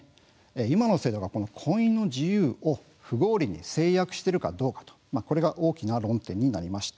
今の制度がこの婚姻の自由を不合理に制約しているかどうかこれが大きな論点になりました。